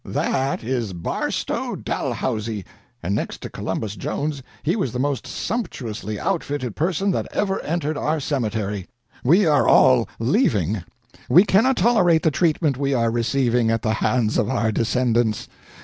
That is Barstow Dalhousie, and next to Columbus Jones he was the most sumptuously outfitted person that ever entered our cemetery. We are all leaving. We cannot tolerate the treatment we are receiving at the hands of our descendants.